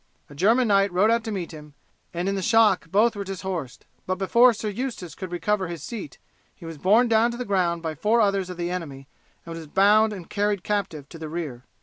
A German knight rode out to meet him, and in the shock both were dishorsed, but before Sir Eustace could recover his seat he was borne down to the ground by four others of the enemy, and was bound and carried captive to the rear.